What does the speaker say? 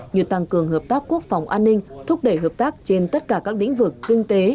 như tăng cường hợp tác quốc phòng an ninh thúc đẩy hợp tác trên tất cả các lĩnh vực kinh tế